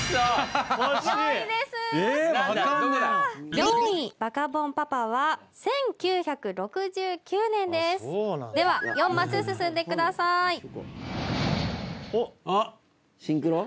４位バカボンパパは１９６９年ですでは４マス進んでくださいシンクロ？